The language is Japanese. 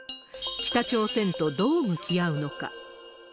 北朝鮮とどう向き合うのか。